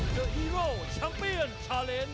สวัสดีครับทุกคน